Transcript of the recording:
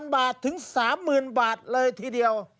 ๐บาทถึง๓๐๐๐บาทเลยทีเดียว